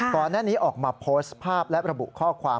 ก่อนหน้านี้ออกมาโพสต์ภาพและระบุข้อความ